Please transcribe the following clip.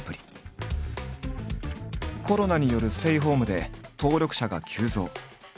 コロナによるステイホームで登録者が急増。